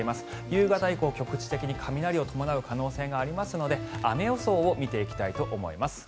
夕方以降、局地的に雷を伴う可能性がありますので雨予想を見ていきたいと思います。